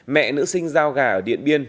mẹ nữ sinh giao gà ở điện biên